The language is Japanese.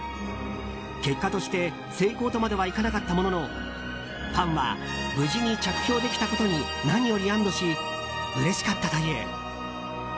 結果として成功とまではいかなかったもののファンは無事に着氷できたことに何より安堵しうれしかったという。